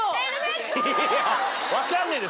分かんねえんだ